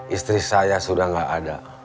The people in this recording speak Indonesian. istri saya sudah tidak ada